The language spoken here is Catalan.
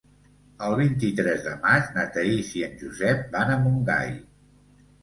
El vint-i-tres de maig na Thaís i en Josep van a Montgai.